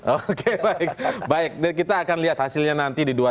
oke baik kita akan lihat hasilnya nanti di dua ribu sembilan belas